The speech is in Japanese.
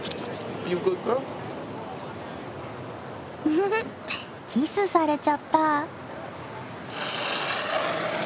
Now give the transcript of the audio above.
ふふキスされちゃった。